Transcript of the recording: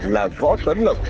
là võ tuấn ngọc